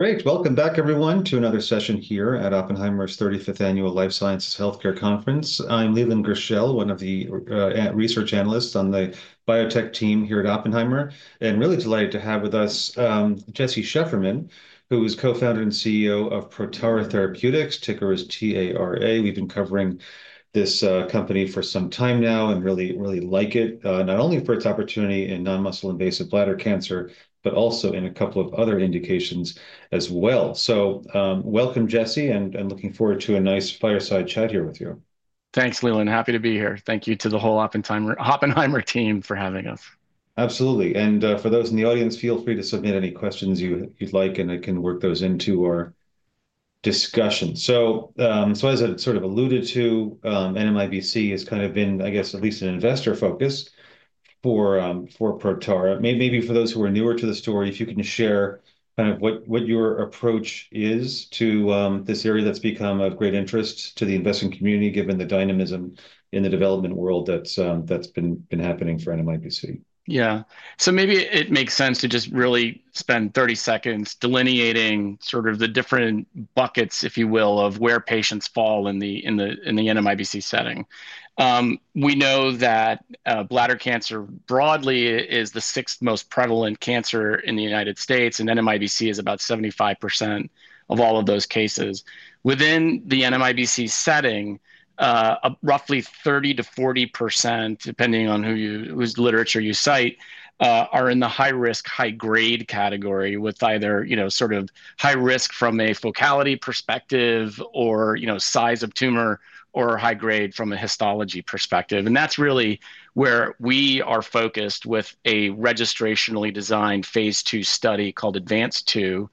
Great. Welcome back, everyone, to another session here at Oppenheimer's 35th Annual Life Sciences Healthcare Conference. I'm Leland Groeschel, one of the research analysts on the biotech team here at Oppenheimer, and really delighted to have with us Jesse Shefferman, who is co-founder and CEO of Protara Therapeutics. Ticker is TARA. We've been covering this company for some time now and really, really like it, not only for its opportunity in non-muscle invasive bladder cancer, but also in a couple of other indications as well. Welcome, Jesse, and looking forward to a nice fireside chat here with you. Thanks, Leland. Happy to be here. Thank you to the whole Oppenheimer team for having us. Absolutely. For those in the audience, feel free to submit any questions you'd like, and I can work those into our discussion. As I sort of alluded to, NMIBC has kind of been, I guess, at least an investor focus for Protara. Maybe for those who are newer to the story, if you can share kind of what your approach is to this area that's become of great interest to the investment community, given the dynamism in the development world that's been happening for NMIBC. Yeah. Maybe it makes sense to just really spend 30 seconds delineating sort of the different buckets, if you will, of where patients fall in the NMIBC setting. We know that bladder cancer broadly is the sixth most prevalent cancer in the United States, and NMIBC is about 75% of all of those cases. Within the NMIBC setting, roughly 30%-40%, depending on whose literature you cite, are in the high-risk, high-grade category with either sort of high risk from a focality perspective or size of tumor or high grade from a histology perspective. That is really where we are focused with a registrationally designed phase II study called ADVANCE2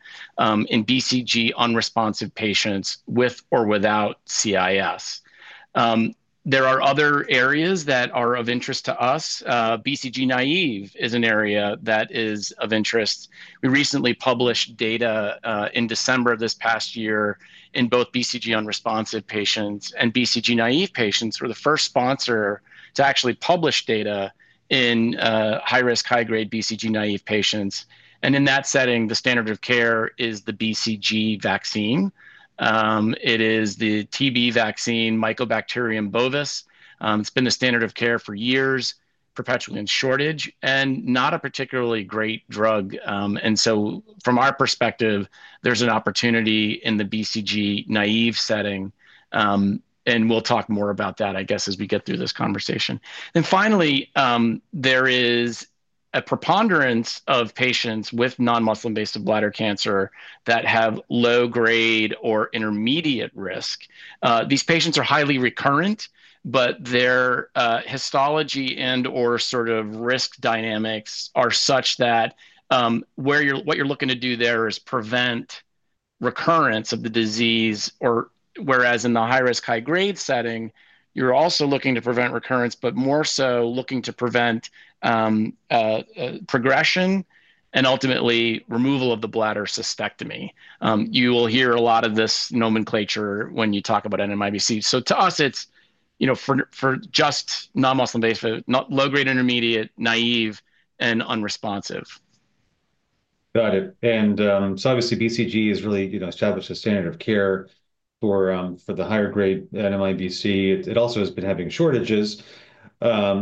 in BCG-unresponsive patients with or without CIS. There are other areas that are of interest to us. BCG-naïve is an area that is of interest. We recently published data in December of this past year in both BCG-unresponsive patients and BCG-naïve patients. We were the first sponsor to actually publish data in high-risk, high-grade BCG-naïve patients. In that setting, the standard of care is the BCG vaccine. It is the TB vaccine, Mycobacterium bovis. It's been the standard of care for years, perpetually in shortage, and not a particularly great drug. From our perspective, there's an opportunity in the BCG-naïve setting. We'll talk more about that, I guess, as we get through this conversation. Finally, there is a preponderance of patients with non-muscle invasive bladder cancer that have low grade or intermediate risk. These patients are highly recurrent, but their histology and/or sort of risk dynamics are such that what you're looking to do there is prevent recurrence of the disease, whereas in the high-risk, high-grade setting, you're also looking to prevent recurrence, but more so looking to prevent progression and ultimately removal of the bladder cystectomy. You will hear a lot of this nomenclature when you talk about NMIBC. To us, it's for just non-muscle invasive, low grade, intermediate, naive, and unresponsive. Got it. Obviously, BCG has really established a standard of care for the higher grade NMIBC. It also has been having shortages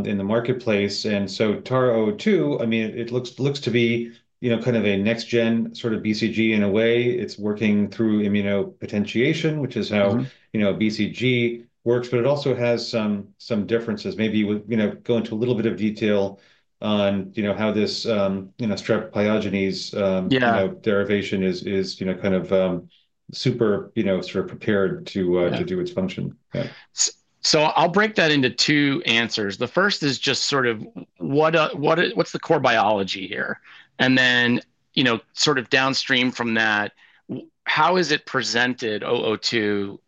in the marketplace. Tara-002, I mean, it looks to be kind of a next-gen sort of BCG in a way. It's working through immunopotentiation, which is how BCG works, but it also has some differences. Maybe we'll go into a little bit of detail on how this strep pyogenes derivation is kind of super sort of prepared to do its function. I'll break that into two answers. The first is just sort of what's the core biology here? And then sort of downstream from that, how is it presented, OO2,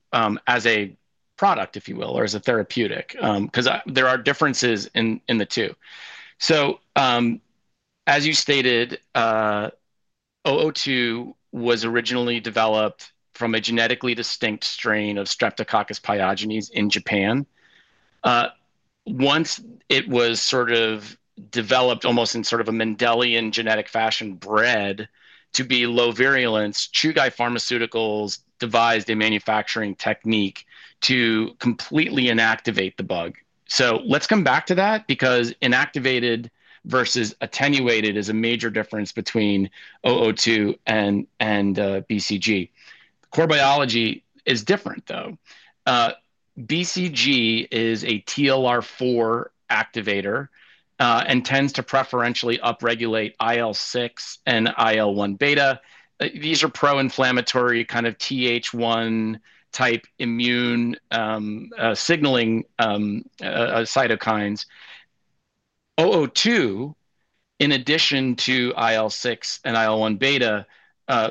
as a product, if you will, or as a therapeutic? Because there are differences in the two. As you stated, OO2 was originally developed from a genetically distinct strain of Streptococcus pyogenes in Japan. Once it was sort of developed almost in sort of a Mendelian genetic fashion bred to be low virulence, Chugai Pharmaceuticals devised a manufacturing technique to completely inactivate the bug. Let's come back to that because inactivated versus attenuated is a major difference between OO2 and BCG. Core biology is different, though. BCG is a TLR4 activator and tends to preferentially upregulate IL-6 and IL-1 beta. These are pro-inflammatory kind of TH1 type immune signaling cytokines. 002, in addition to IL-6 and IL-1 beta,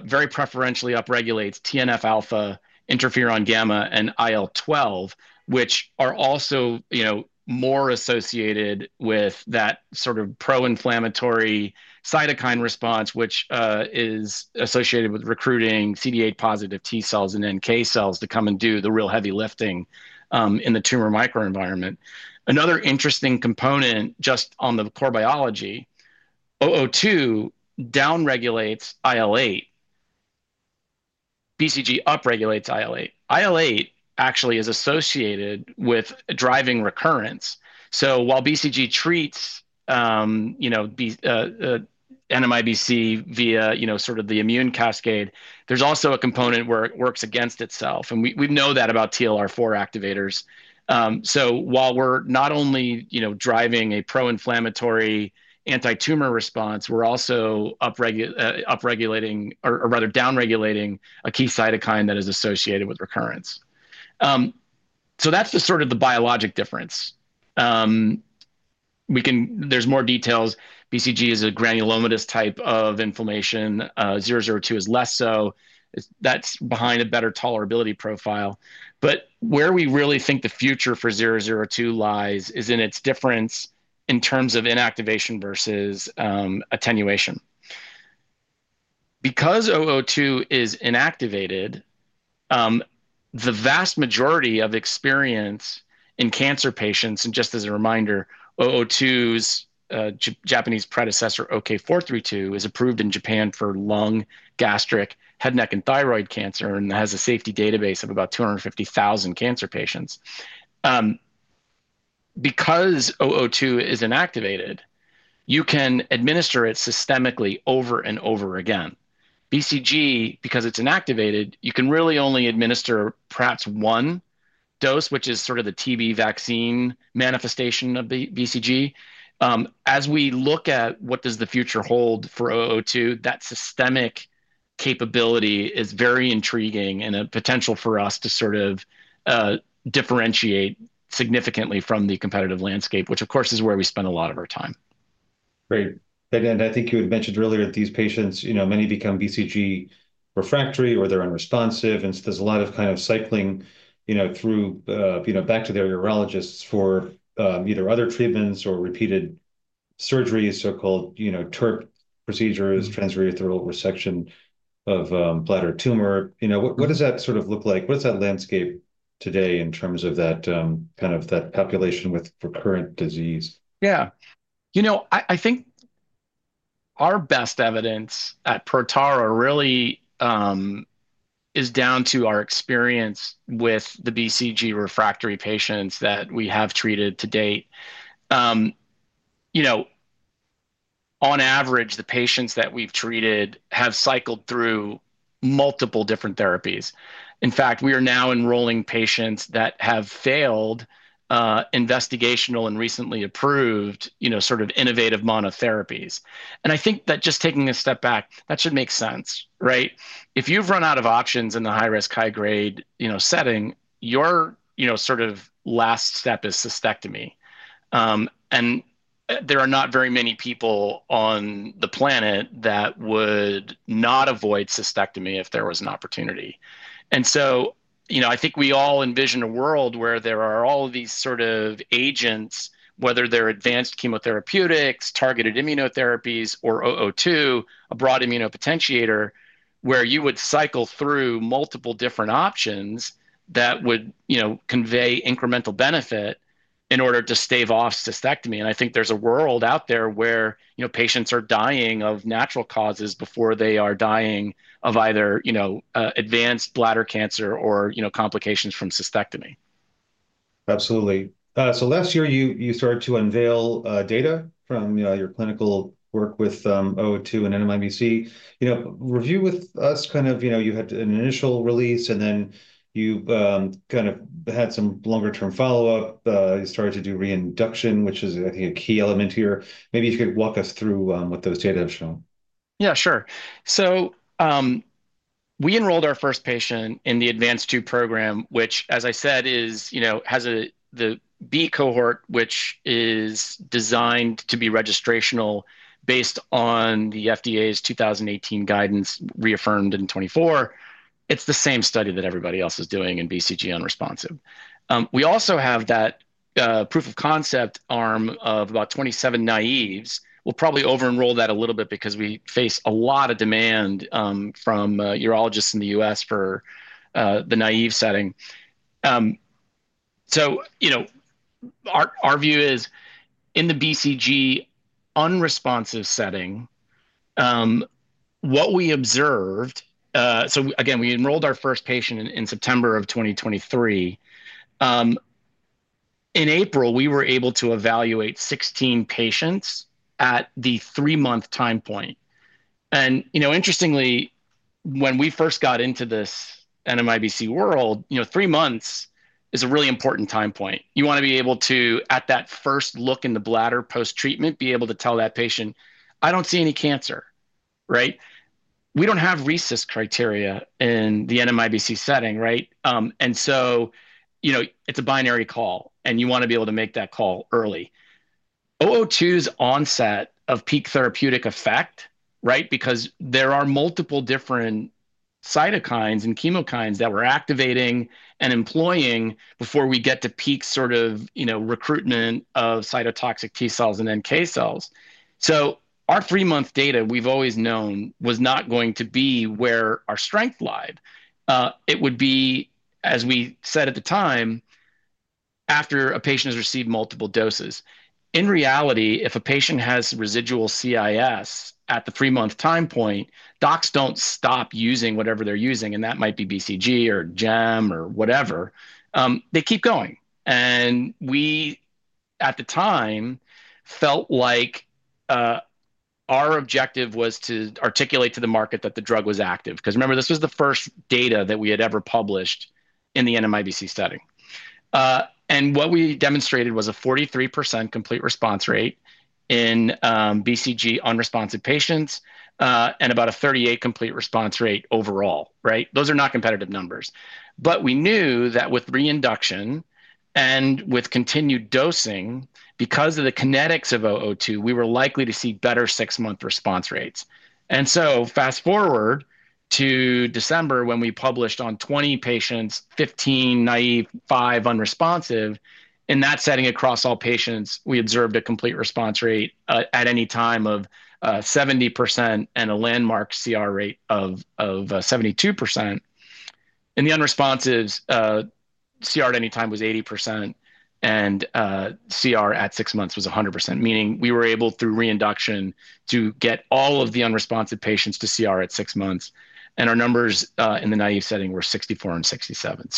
very preferentially upregulates TNF alpha, interferon gamma, and IL-12, which are also more associated with that sort of pro-inflammatory cytokine response, which is associated with recruiting CD8 positive T cells and NK cells to come and do the real heavy lifting in the tumor microenvironment. Another interesting component just on the core biology, 002 downregulates IL-8. BCG upregulates IL-8. IL-8 actually is associated with driving recurrence. While BCG treats NMIBC via sort of the immune cascade, there's also a component where it works against itself. We know that about TLR4 activators. While we're not only driving a pro-inflammatory anti-tumor response, we're also upregulating or rather downregulating a key cytokine that is associated with recurrence. That's sort of the biologic difference. There's more details. BCG is a granulomatous type of inflammation. 002 is less so. That's behind a better tolerability profile. Where we really think the future for 002 lies is in its difference in terms of inactivation versus attenuation. Because 002 is inactivated, the vast majority of experience in cancer patients, and just as a reminder, 002's Japanese predecessor, OK-432, is approved in Japan for lung, gastric, head, neck, and thyroid cancer and has a safety database of about 250,000 cancer patients. Because 002 is inactivated, you can administer it systemically over and over again. BCG, because it's attenuated, you can really only administer perhaps one dose, which is sort of the TB vaccine manifestation of BCG. As we look at what does the future hold for 002, that systemic capability is very intriguing and a potential for us to sort of differentiate significantly from the competitive landscape, which, of course, is where we spend a lot of our time. Great. I think you had mentioned earlier that these patients, many become BCG refractory or they're unresponsive. There is a lot of kind of cycling back to their urologists for either other treatments or repeated surgeries, so-called TURBT procedures, transurethral resection of bladder tumor. What does that sort of look like? What's that landscape today in terms of kind of that population with recurrent disease? Yeah. You know, I think our best evidence at Protara really is down to our experience with the BCG refractory patients that we have treated to date. On average, the patients that we've treated have cycled through multiple different therapies. In fact, we are now enrolling patients that have failed investigational and recently approved sort of innovative monotherapies. I think that just taking a step back, that should make sense, right. If you've run out of options in the high-risk, high-grade setting, your sort of last step is cystectomy. There are not very many people on the planet that would not avoid cystectomy if there was an opportunity. I think we all envision a world where there are all of these sort of agents, whether they're advanced chemotherapeutics, targeted immunotherapies, or TARA-002, a broad immunopotentiator, where you would cycle through multiple different options that would convey incremental benefit in order to stave off cystectomy. I think there's a world out there where patients are dying of natural causes before they are dying of either advanced bladder cancer or complications from cystectomy. Absolutely. Last year, you started to unveil data from your clinical work with TARA-002 and NMIBC. Review with us, kind of you had an initial release, and then you kind of had some longer-term follow-up. You started to do reinduction, which is, I think, a key element here. Maybe you could walk us through what those data have shown. Yeah, sure. We enrolled our first patient in the ADVANCE2 program, which, as I said, has the B cohort, which is designed to be registrational based on the FDA's 2018 guidance reaffirmed in 2024. It's the same study that everybody else is doing in BCG-unresponsive. We also have that proof of concept arm of about 27 naïves. We'll probably over-enroll that a little bit because we face a lot of demand from urologists in the U.S. for the naïve setting. Our view is, in the BCG-unresponsive setting, what we observed, we enrolled our first patient in September of 2023. In April, we were able to evaluate 16 patients at the three-month time point. Interestingly, when we first got into this NMIBC world, three months is a really important time point. You want to be able to, at that first look in the bladder post-treatment, be able to tell that patient, "I don't see any cancer," right. We don't have RECIST criteria in the NMIBC setting, right. It is a binary call, and you want to be able to make that call early. TARA-002's onset of peak therapeutic effect, because there are multiple different cytokines and chemokines that we're activating and employing before we get to peak sort of recruitment of cytotoxic T cells and NK cells. Our three-month data, we've always known, was not going to be where our strength lied. It would be, as we said at the time, after a patient has received multiple doses. In reality, if a patient has residual CIS at the three-month time point, docs don't stop using whatever they're using, and that might be BCG or gem or whatever. They keep going. We, at the time, felt like our objective was to articulate to the market that the drug was active. Because remember, this was the first data that we had ever published in the NMIBC study. What we demonstrated was a 43% complete response rate in BCG-unresponsive patients and about a 38% complete response rate overall, right. Those are not competitive numbers. We knew that with reinduction and with continued dosing, because of the kinetics of 002, we were likely to see better six-month response rates. Fast forward to December when we published on 20 patients, 15 naïve, 5 unresponsive. In that setting, across all patients, we observed a complete response rate at any time of 70% and a landmark CR rate of 72%. In the unresponsives, CR at any time was 80%, and CR at six months was 100%, meaning we were able, through reinduction, to get all of the unresponsive patients to CR at six months. Our numbers in the naive setting were 64 and 67.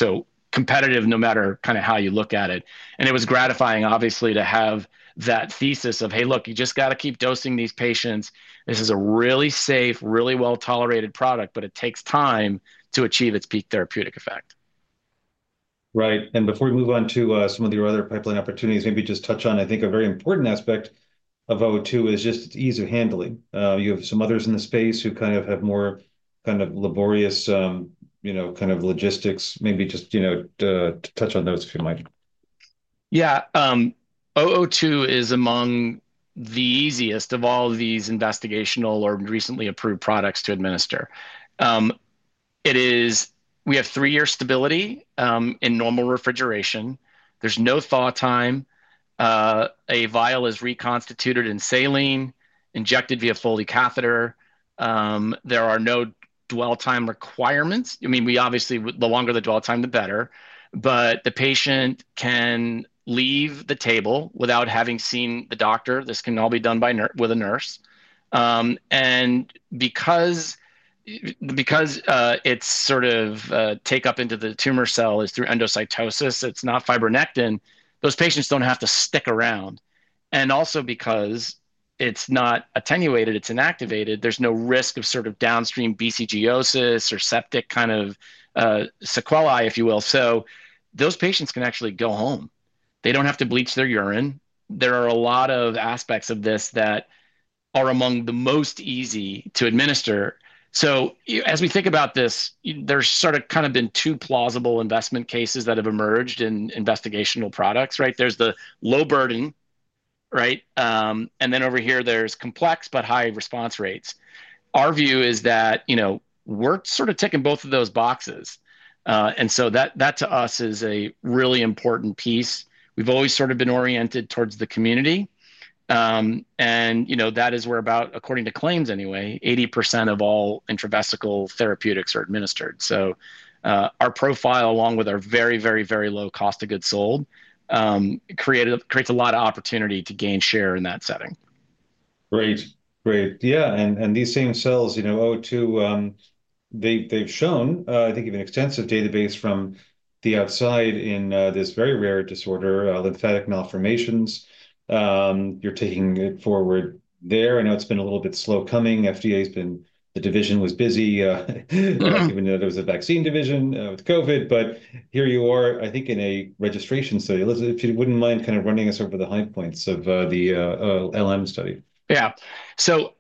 Competitive no matter kind of how you look at it. It was gratifying, obviously, to have that thesis of, "Hey, look, you just got to keep dosing these patients. This is a really safe, really well-tolerated product, but it takes time to achieve its peak therapeutic effect. Right. Before we move on to some of your other pipeline opportunities, maybe just touch on, I think, a very important aspect of 002 is just its ease of handling. You have some others in the space who kind of have more kind of laborious kind of logistics, maybe just to touch on those if you mind. Yeah. TARA-002 is among the easiest of all of these investigational or recently approved products to administer. We have three-year stability in normal refrigeration. There's no thaw time. A vial is reconstituted in saline, injected via Foley catheter. There are no dwell time requirements. I mean, obviously, the longer the dwell time, the better. The patient can leave the table without having seen the doctor. This can all be done with a nurse. Because its sort of take-up into the tumor cell is through endocytosis, it's not fibronectin, those patients don't have to stick around. Also, because it's not attenuated, it's inactivated, there's no risk of sort of downstream BCGiosis or septic kind of sequelae, if you will. Those patients can actually go home. They don't have to bleach their urine. There are a lot of aspects of this that are among the most easy to administer. As we think about this, there's sort of kind of been two plausible investment cases that have emerged in investigational products, right. There's the low burden, right. Then over here, there's complex but high response rates. Our view is that we're sort of ticking both of those boxes. That, to us, is a really important piece. We've always sort of been oriented towards the community. That is where about, according to claims anyway, 80% of all intravesical therapeutics are administered. Our profile, along with our very, very, very low cost of goods sold, creates a lot of opportunity to gain share in that setting. Great. Great. Yeah. These same cells, 002, they've shown, I think, an extensive database from the outside in this very rare disorder, lymphatic malformations. You're taking it forward there. I know it's been a little bit slow coming. FDA's been, the division was busy, even though there was a vaccine division with COVID. Here you are, I think, in a registration study. Elizabeth, if you wouldn't mind kind of running us over the high points of the LM study. Yeah.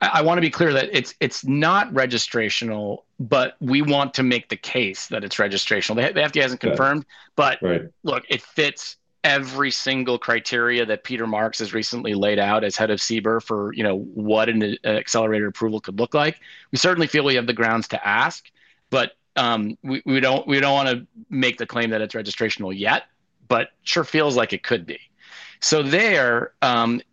I want to be clear that it's not registrational, but we want to make the case that it's registrational. The FDA hasn't confirmed, but look, it fits every single criteria that Peter Marks has recently laid out as head of CBER for what an accelerated approval could look like. We certainly feel we have the grounds to ask, but we don't want to make the claim that it's registrational yet, but sure feels like it could be. There,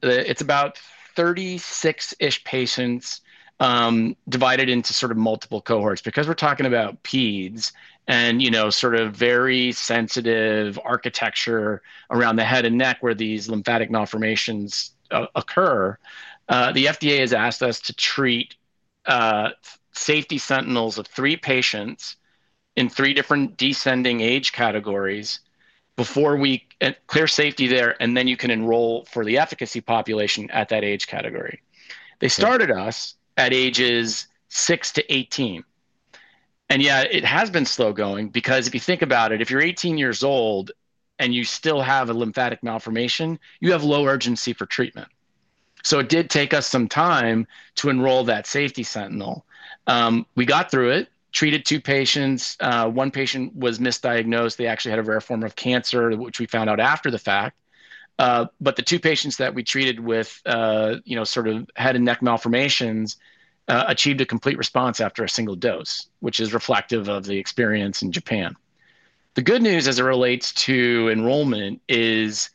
it's about 36-ish patients divided into sort of multiple cohorts. Because we're talking about PEDs and sort of very sensitive architecture around the head and neck where these lymphatic malformations occur, the FDA has asked us to treat safety sentinels of three patients in three different descending age categories before we clear safety there, and then you can enroll for the efficacy population at that age category. They started us at ages 6 to 18. Yeah, it has been slow going because if you think about it, if you're 18 years old and you still have a lymphatic malformation, you have low urgency for treatment. It did take us some time to enroll that safety sentinel. We got through it, treated two patients. One patient was misdiagnosed. They actually had a rare form of cancer, which we found out after the fact. The two patients that we treated with sort of head and neck malformations achieved a complete response after a single dose, which is reflective of the experience in Japan. The good news as it relates to enrollment is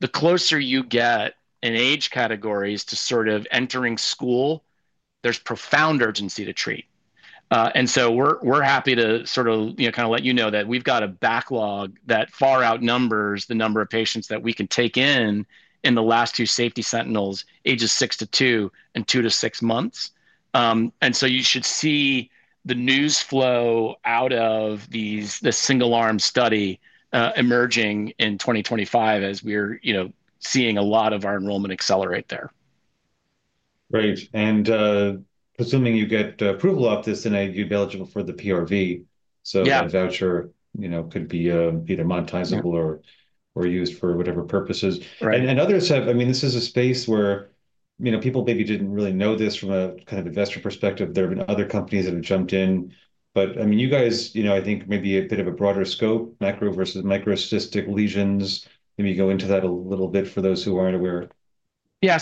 the closer you get in age categories to sort of entering school, there's profound urgency to treat. We are happy to sort of kind of let you know that we have got a backlog that far outnumbers the number of patients that we can take in in the last two safety sentinels, ages six to two and two to six months. You should see the news flow out of the single-arm study emerging in 2025 as we are seeing a lot of our enrollment accelerate there. Right. Assuming you get approval of this, then you'd be eligible for the PRV. The voucher could be either monetizable or used for whatever purposes. Others have, I mean, this is a space where people maybe didn't really know this from a kind of investor perspective. There have been other companies that have jumped in. I mean, you guys, I think maybe a bit of a broader scope, macro versus microcystic lesions. Maybe you go into that a little bit for those who aren't aware. Yeah.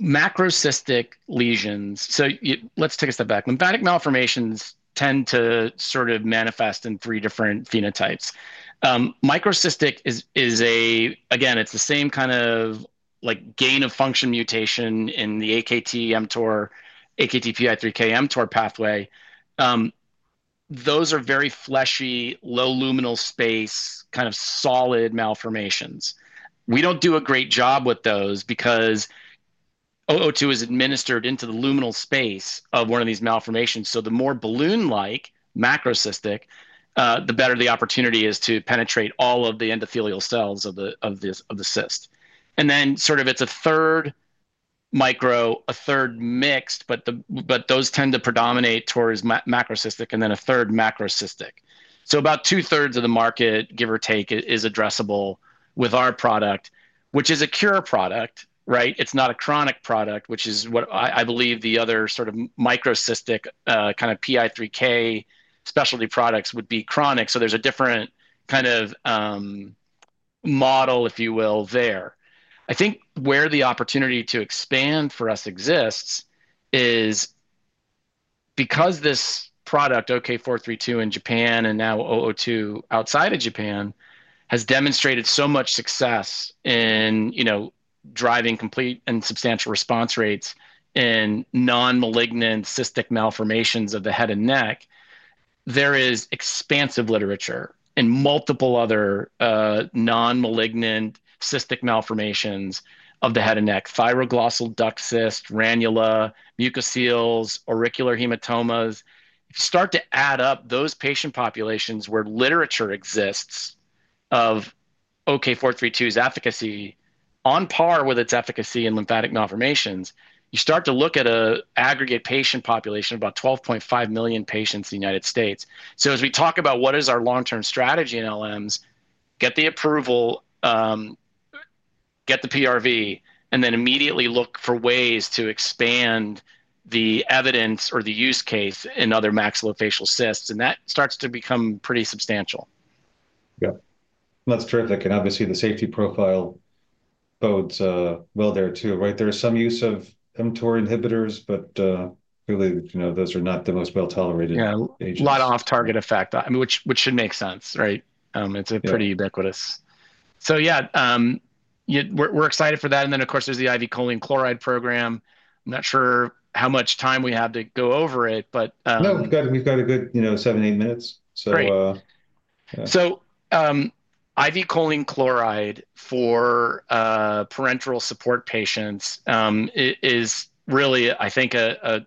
Macrocystic lesions, let's take a step back. Lymphatic malformations tend to sort of manifest in three different phenotypes. Microcystic is a, again, it's the same kind of gain-of-function mutation in the AKT-PI3K-MTOR pathway. Those are very fleshy, low luminal space, kind of solid malformations. We don't do a great job with those because 002 is administered into the luminal space of one of these malformations. The more balloon-like macrocystic, the better the opportunity is to penetrate all of the endothelial cells of the cyst. It's a third micro, a third mixed, but those tend to predominate towards macrocystic and then a third macrocystic. About two-thirds of the market, give or take, is addressable with our product, which is a cure product, right. It's not a chronic product, which is what I believe the other sort of microcystic kind of PI3K specialty products would be chronic. There is a different kind of model, if you will, there. I think where the opportunity to expand for us exists is because this product, OK-432 in Japan and now 002 outside of Japan, has demonstrated so much success in driving complete and substantial response rates in non-malignant cystic malformations of the head and neck, there is expansive literature in multiple other non-malignant cystic malformations of the head and neck: thyroglossal duct cyst, ranula, mucoceles, auricular hematomas. If you start to add up those patient populations where literature exists of OK-432's efficacy on par with its efficacy in lymphatic malformations, you start to look at an aggregate patient population, about 12.5 million patients in the United States. As we talk about what is our long-term strategy in LMs, get the approval, get the PRV, and then immediately look for ways to expand the evidence or the use case in other maxillofacial cysts. That starts to become pretty substantial. Yeah. That's terrific. Obviously, the safety profile bodes well there too, right. There is some use of mTOR inhibitors, but clearly those are not the most well-tolerated. Yeah. A lot off-target effect, which should make sense, right. It's pretty ubiquitous. Yeah, we're excited for that. Of course, there's the IV choline chloride program. I'm not sure how much time we have to go over it, but. No, we've got a good seven, eight minutes. Great. IV choline chloride for parenteral support patients is really, I think, a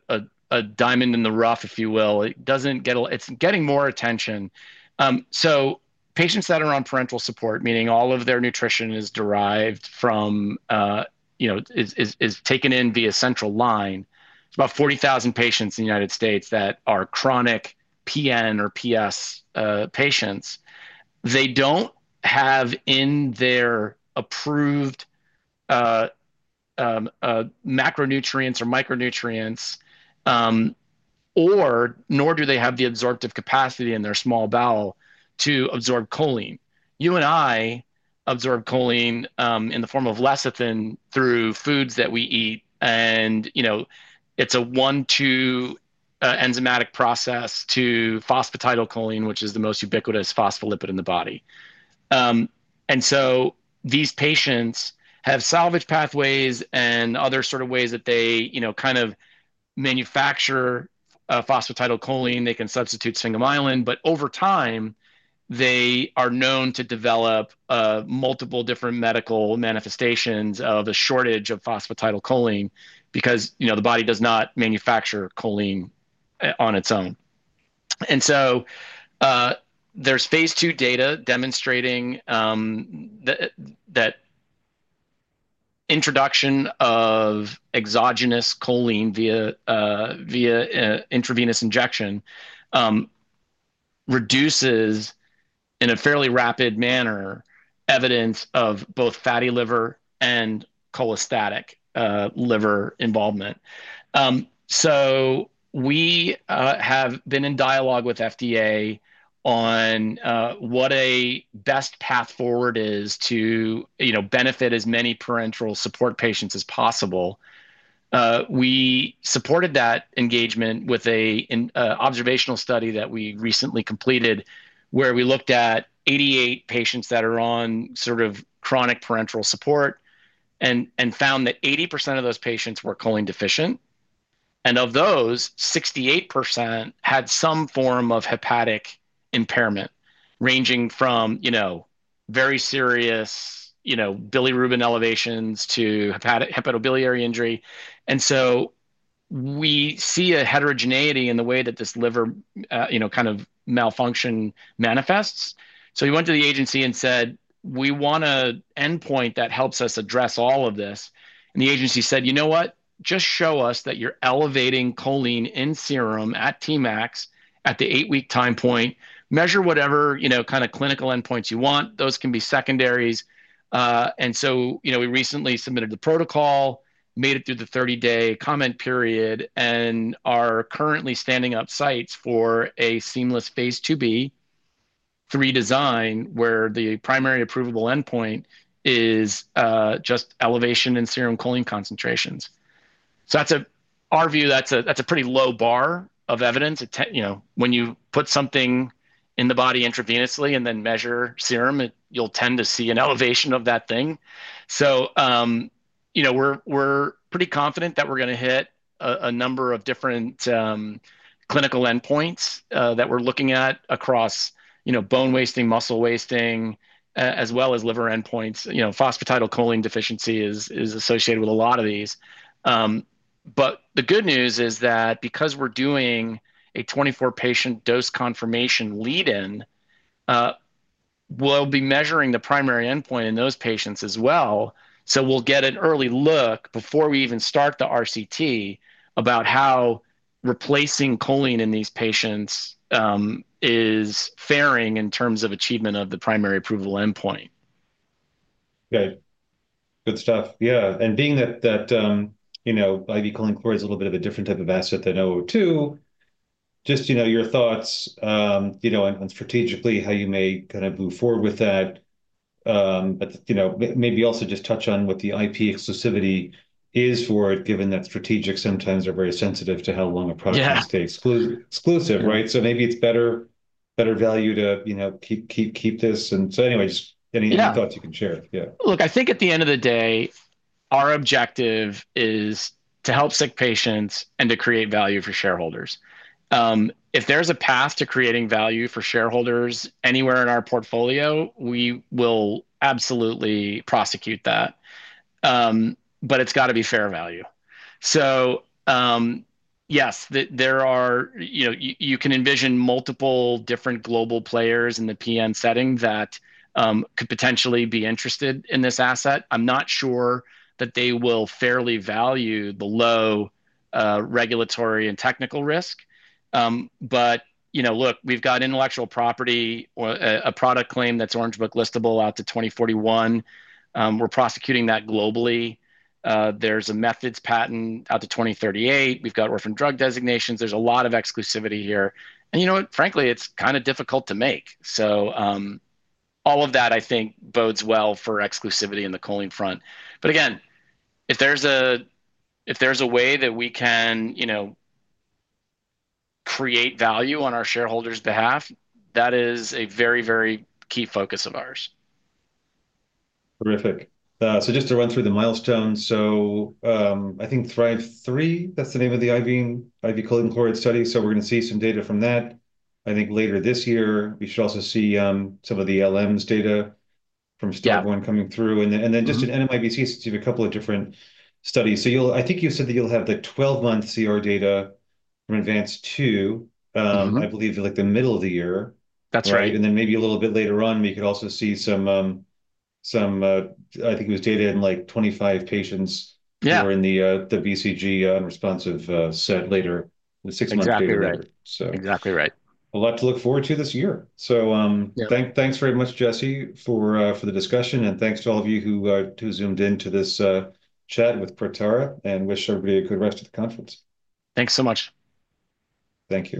diamond in the rough, if you will. It's getting more attention. Patients that are on parenteral support, meaning all of their nutrition is derived from, is taken in via central line, it's about 40,000 patients in the United States that are chronic PN or PS patients. They don't have in their approved macronutrients or micronutrients, nor do they have the absorptive capacity in their small bowel to absorb choline. You and I absorb choline in the form of lecithin through foods that we eat. It's a one-two enzymatic process to phosphatidylcholine, which is the most ubiquitous phospholipid in the body. These patients have salvage pathways and other sort of ways that they kind of manufacture phosphatidylcholine. They can substitute singamidin. Over time, they are known to develop multiple different medical manifestations of a shortage of phosphatidylcholine because the body does not manufacture choline on its own. There is phase II data demonstrating that introduction of exogenous choline via intravenous injection reduces, in a fairly rapid manner, evidence of both fatty liver and cholestatic liver involvement. We have been in dialogue with FDA on what a best path forward is to benefit as many parenteral support patients as possible. We supported that engagement with an observational study that we recently completed where we looked at 88 patients that are on sort of chronic parenteral support and found that 80% of those patients were choline deficient. Of those, 68% had some form of hepatic impairment ranging from very serious bilirubin elevations to hepatobiliary injury. We see a heterogeneity in the way that this liver kind of malfunction manifests. We went to the agency and said, "We want an endpoint that helps us address all of this." The agency said, "You know what? Just show us that you're elevating choline in serum at Tmax at the eight-week time point. Measure whatever kind of clinical endpoints you want. Those can be secondaries." We recently submitted the protocol, made it through the 30-day comment period, and are currently standing up sites for a seamless phase II-B, three design, where the primary approvable endpoint is just elevation in serum choline concentrations. Our view, that's a pretty low bar of evidence. When you put something in the body intravenously and then measure serum, you'll tend to see an elevation of that thing. We're pretty confident that we're going to hit a number of different clinical endpoints that we're looking at across bone wasting, muscle wasting, as well as liver endpoints. Phosphatidylcholine deficiency is associated with a lot of these. The good news is that because we're doing a 24-patient dose confirmation lead-in, we'll be measuring the primary endpoint in those patients as well. We'll get an early look before we even start the RCT about how replacing choline in these patients is faring in terms of achievement of the primary approval endpoint. Okay. Good stuff. Yeah. And being that IV choline chloride is a little bit of a different type of asset than 002, just your thoughts on strategically how you may kind of move forward with that, but maybe also just touch on what the IP exclusivity is for it, given that strategics sometimes are very sensitive to how long a product can stay exclusive, right. So maybe it's better value to keep this. And so anyway, just any thoughts you can share. Yeah. Look, I think at the end of the day, our objective is to help sick patients and to create value for shareholders. If there's a path to creating value for shareholders anywhere in our portfolio, we will absolutely prosecute that. It has got to be fair value. Yes, you can envision multiple different global players in the PN setting that could potentially be interested in this asset. I'm not sure that they will fairly value the low regulatory and technical risk. Look, we've got intellectual property, a product claim that's Orange Book-listable out to 2041. We're prosecuting that globally. There's a methods patent out to 2038. We've got orphan drug designations. There's a lot of exclusivity here. You know what? Frankly, it's kind of difficult to make. All of that, I think, bodes well for exclusivity in the choline front. If there's a way that we can create value on our shareholders' behalf, that is a very, very key focus of ours. Terrific. Just to run through the milestones. I think Thrive Three, that's the name of the IV choline chloride study. We're going to see some data from that, I think, later this year. We should also see some of the LMs data from Step One coming through. In NMIBC, you have a couple of different studies. I think you said that you'll have the 12-month CR data from Advance Two, I believe, like the middle of the year. That's right. Maybe a little bit later on, we could also see some, I think it was data in like 25 patients that were in the BCG-unresponsive set later, the six-month data. Exactly right. Exactly right. A lot to look forward to this year. Thanks very much, Jesse, for the discussion. Thanks to all of you who zoomed into this chat with Protara and wish everybody a good rest of the conference. Thanks so much. Thank you.